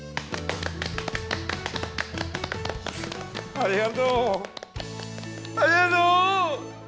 ありがとうありがとう！